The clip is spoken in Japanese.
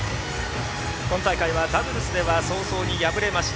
今大会はダブルスでは早々に敗れました。